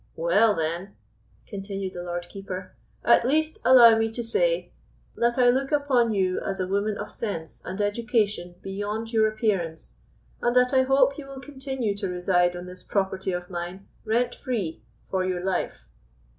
"Well, then," continued the Lord Keeper, "at least allow me to say, that I look upon you as a woman of sense and education beyond your appearance, and that I hope you will continue to reside on this property of mine rent free for your life."